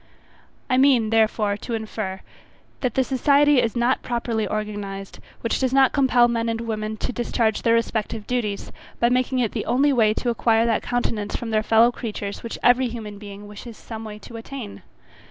I mean, therefore, to infer, that the society is not properly organized which does not compel men and women to discharge their respective duties, by making it the only way to acquire that countenance from their fellow creatures, which every human being wishes some way to attain.